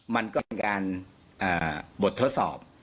มันก็เป็นการบททดสอบ